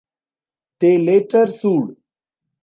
They later sued.